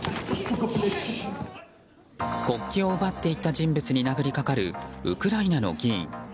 国旗を奪っていった人物に殴りかかる、ウクライナの議員。